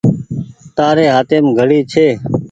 تآري هآتيم گھڙي ڇي۔